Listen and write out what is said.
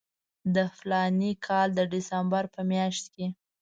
د فلاني کال د ډسمبر په میاشت کې.